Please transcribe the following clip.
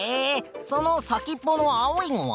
その先っぽの青いのは？